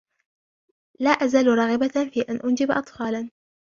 لا أزال راغبة في أن أنجب أطفالا.